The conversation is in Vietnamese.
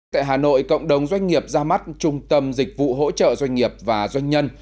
tại hà nội cộng đồng doanh nghiệp ra mắt trung tâm dịch vụ hỗ trợ doanh nghiệp và doanh nhân